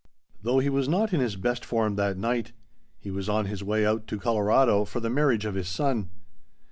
Though he was not in his best form that night. He was on his way out to Colorado for the marriage of his son.